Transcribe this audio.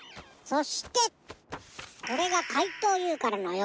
そしてこれがかいとうＵからのよ